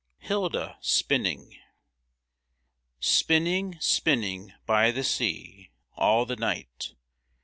HILDA, SPINNING Spinning, spinning, by the sea, All the night